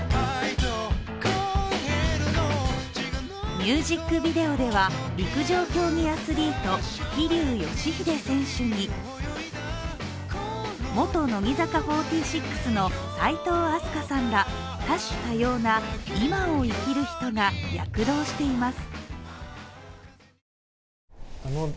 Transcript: ミュージックビデオでは陸上競技アスリート桐生祥秀選手に元乃木坂４６の齋藤飛鳥さんら多種多様な今を生きる人が躍動しています。